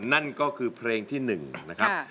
นั่นก็คือเพลงที่๑นะครับ